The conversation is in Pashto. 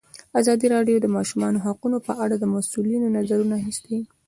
ازادي راډیو د د ماشومانو حقونه په اړه د مسؤلینو نظرونه اخیستي.